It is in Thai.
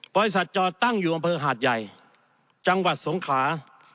บริษัทจอดตั้งอยู่อำเภอหาดใหญ่จังหวัดสงขลา